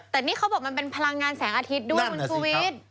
แต่นี่เขาบอกมันเป็นพลังงานแสงอาทิตย์ด้วยคุณชูวิทย์